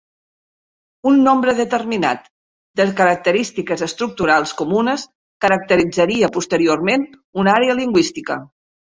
Un nombre determinat de característiques estructurals comunes caracteritzaria posteriorment una àrea lingüística.